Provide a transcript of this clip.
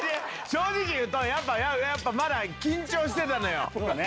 正直言うとやっぱまだ緊張してたのよ。